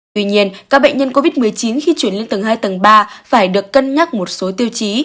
tuy nhiên các bệnh nhân covid một mươi chín khi chuyển lên tầng hai tầng ba phải được cân nhắc một số tiêu chí